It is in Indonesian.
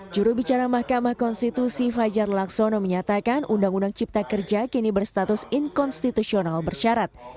jurubicara mahkamah konstitusi fajar laksono menyatakan undang undang cipta kerja kini berstatus inkonstitusional bersyarat